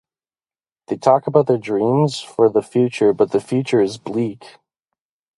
They talk about their dreams for the future but the future is bleak.